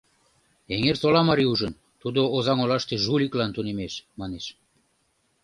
Эҥерсола марий ужын, тудо Озаҥ олаште жуликлан тунемеш, манеш.